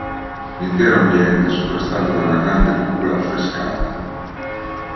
L'intero ambiente è sovrastato da una grande cupola affrescata.